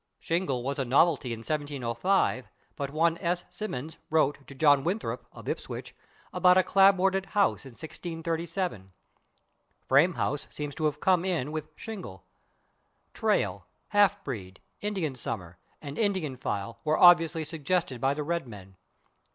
/Shingle/ was a novelty in 1705, but one S. Symonds wrote to John Winthrop, of Ipswich, about a /clapboarded/ house in 1637. /Frame house/ seems to have come in with /shingle/. /Trail/, /half breed/, /Indian summer/ and [Pg047] /Indian file/ were obviously suggested by the Red Men.